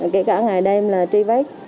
kể cả ngày đêm là truy vết